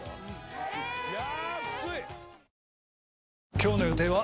今日の予定は？